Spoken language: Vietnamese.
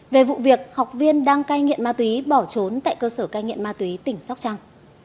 về vụ việc học viên đang cai nghiện ma túy bỏ trốn tại cơ sở cai nghiện ma túy tỉnh sóc trăng